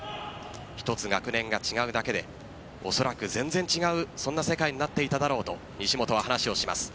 １つ学年が違うだけでおそらく全然違うそんな世界になっていただろうと西本は話をします。